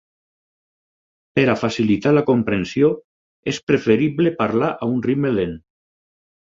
Per a facilitar la comprensió, és preferible parlar a un ritme lent.